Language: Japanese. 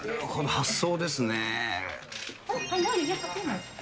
発想ですね。